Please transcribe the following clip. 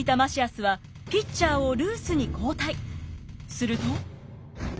すると。